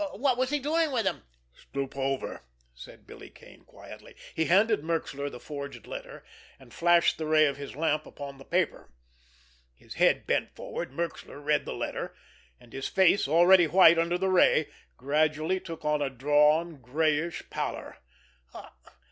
What was he doing with them?" "Stoop over!" said Billy Kane quietly. He handed Merxler the forged letter, and flashed the ray of his lamp upon the paper. His head bent forward, Merxler read the letter, and his face, already white under the ray, gradually took on a drawn, grayish pallor.